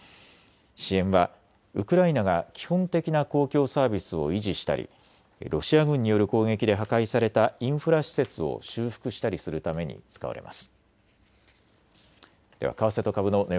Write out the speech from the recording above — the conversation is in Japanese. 支援はウクライナが基本的な公共サービスを維持したりロシア軍による攻撃で破壊されたインフラ施設を修復したりするために使われます。